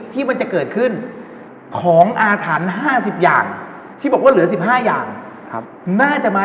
ที่มันจะเกิดขึ้น